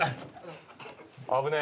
危ねえ。